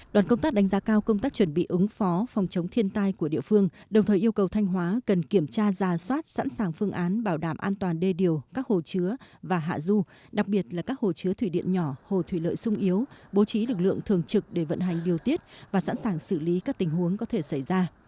đoàn công tác đánh giá cao công tác chuẩn bị ứng phó phòng chống thiên tai của địa phương đồng thời yêu cầu thanh hóa cần kiểm tra ra soát sẵn sàng phương án bảo đảm an toàn đê điều các hồ chứa và hạ du đặc biệt là các hồ chứa thủy điện nhỏ hồ thủy lợi sung yếu bố trí lực lượng thường trực để vận hành điều tiết và sẵn sàng xử lý các tình huống có thể xảy ra